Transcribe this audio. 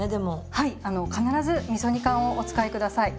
はいあの必ずみそ煮缶をお使い下さい。